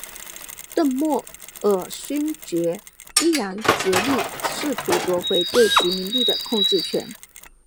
邓莫尔勋爵依旧竭力试图夺回对殖民地的控制权。